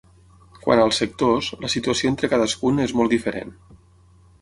Quant als sectors, la situació entre cadascun és molt diferent.